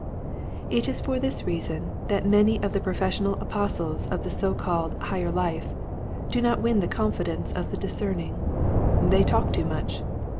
It is for this reason that many of the professional apostles of the so called higher life do not win the confidence of the dis cerning. They talk too much.